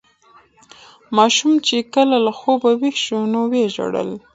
ماشوم چې کله له خوبه ویښ شو نو ویې ژړل.